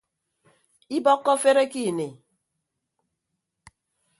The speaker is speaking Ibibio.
Ibọkkọ afere ke ini.